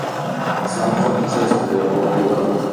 სამხრეთ ესაზღვრება პორტუგალია.